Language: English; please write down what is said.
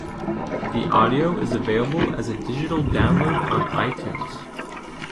The audio is available as a digital download on iTunes.